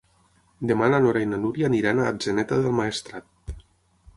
Demà na Nora i na Núria aniran a Atzeneta del Maestrat.